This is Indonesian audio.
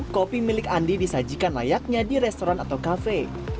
kopi milik andi disajikan layaknya di restoran atau kafe